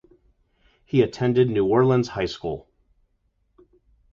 He attended New Orleans High School.